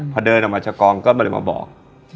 พอเดินออกมาชะกองก็เลยมาบอก